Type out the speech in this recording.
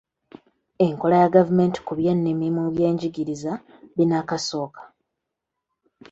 Enkola ya ggavumenti ku by’ennimi mu by’enjigiriza binnakasooka.